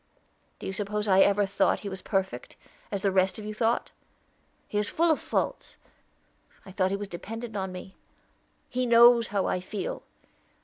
Do you suppose I ever thought he was perfect, as the rest of you thought? He is full of faults. I thought he was dependant on me. He knows how I feel.